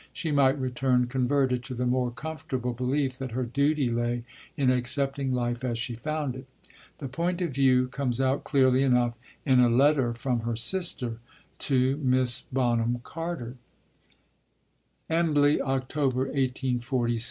She might return converted to the more comfortable belief that her duty lay in accepting life as she found it. The point of view comes out clearly enough in a letter from her sister to Miss Bonham Carter: EMBLEY, October .